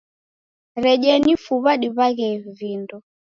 Redenyi fuw'a diw'aghe vindo.